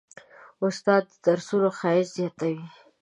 استاد د درسونو ښایست زیاتوي.